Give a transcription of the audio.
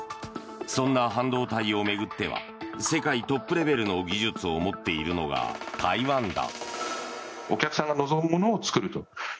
そんな半導体を巡っては世界トップレベルの技術を持っているのが台湾だ。